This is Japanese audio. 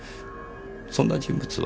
そんな人物は。